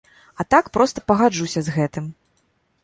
А так проста пагаджуся з гэтым.